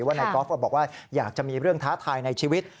นายกอล์ฟก็บอกว่าอยากจะมีเรื่องท้าทายในชีวิต